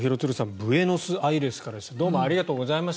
ブエノスアイレスからでした。